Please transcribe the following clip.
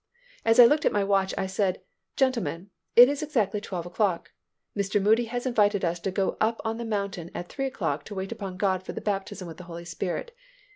As I looked at my watch, I said, "Gentlemen, it is exactly twelve o'clock. Mr. Moody has invited us to go up on the mountain at three o'clock to wait upon God for the baptism with the Holy Spirit.